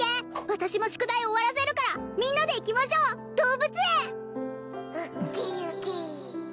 私も宿題終わらせるからみんなで行きましょう動物園うっきうき